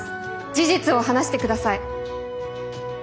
事実を話してください。